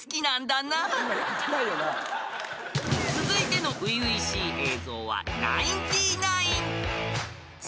［続いての初々しい映像はナインティナイン］